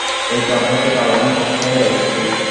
এই গ্রাম হইতে কাল আমি বষ্টনে যাইতেছি।